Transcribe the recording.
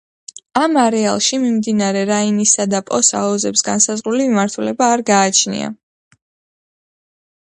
ამ არეალში, მდინარე რაინისა და პოს აუზებს განსაზღვრული მიმართულება არ გააჩნია.